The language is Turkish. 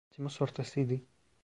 Temmuz ortasıydı.